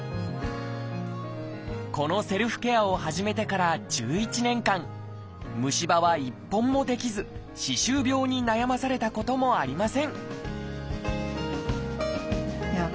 このセルフケアを始めてから１１年間虫歯は一本も出来ず歯周病に悩まされたこともありませんと思います。